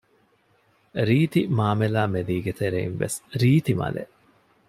ރީތި މާމެލާމެލީގެ ތެރެއިން ވެސް ރީތި މަލެއް